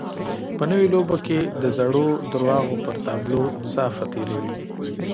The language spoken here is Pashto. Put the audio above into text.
په نوې لوبه کې د زړو درواغو پر تابلو صافه تېروي.